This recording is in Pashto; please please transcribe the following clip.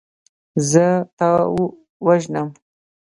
زه تا وژنم.